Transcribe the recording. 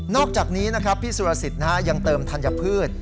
อกจากนี้นะครับพี่สุรสิทธิ์ยังเติมธัญพืช